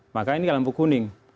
maka ini dalam buku kuning